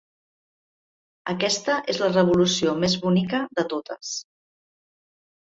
Aquesta és la revolució més bonica de totes.